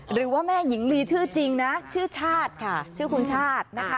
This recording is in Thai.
หรือว่าแม่หญิงลีชื่อจริงนะชื่อชาติค่ะชื่อคุณชาตินะคะ